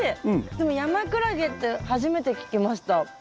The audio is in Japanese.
でもヤマクラゲって初めて聞きました。